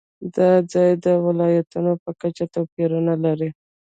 دا ځایونه د ولایاتو په کچه توپیرونه لري.